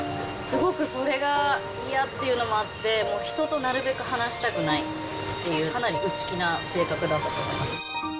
すごくそれが嫌っていうのもあって、もう人となるべく話したくないっていう、かなり内気な性格だったと思います。